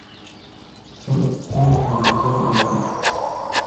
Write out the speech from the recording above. Son los antecesores del gaucho.